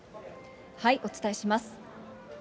お伝えします。